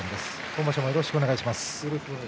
今場所もよろしくお願いします。